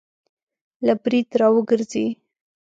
له برید را وګرځي